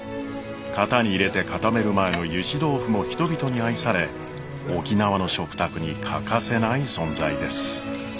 型に入れて固める前のゆし豆腐も人々に愛され沖縄の食卓に欠かせない存在です。